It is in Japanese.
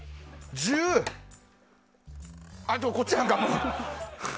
あっ、こっちやんか。